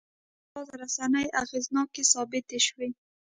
دغه راز رسنۍ اغېزناکې ثابتې شوې.